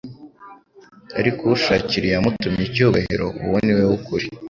ariko ushakira iyamutumye icyubahiro uwo ni we w'ukuri.